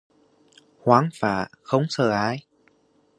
Hoang phá, không sợ ai